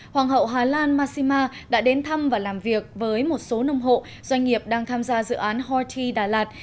hoàng hậu hà lan massima đã đến thăm và làm việc với một số nông hộ doanh nghiệp đang tham gia dự án hoti đà lạt